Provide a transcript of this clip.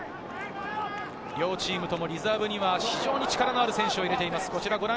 両チームともリザーブには非常に力のある選手を入れています。